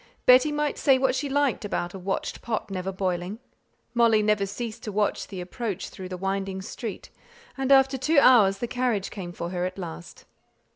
Betty might say what she liked about a watched pot never boiling; Molly never ceased to watch the approach through the winding street, and after two hours the carriage came for her at last.